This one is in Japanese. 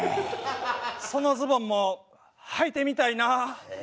そのズボンもはいてみたいな。